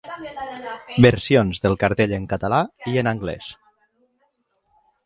Versions del cartell en català i en anglès.